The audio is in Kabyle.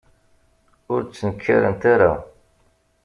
Ur d-ttnekkarent ara.